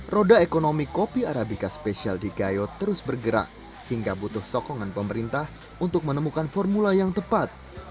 roda ekonomi kopi arabica spesial di gayo terus bergerak hingga butuh sokongan pemerintah untuk menemukan formula yang tepat